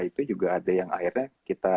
itu juga ada yang akhirnya kita